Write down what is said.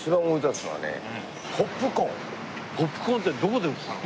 ポップコーンってどこで売ってたの？